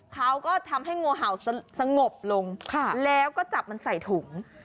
เขาก็ทำให้งูเห่าสงบลงแล้วก็จับมันใส่ถุง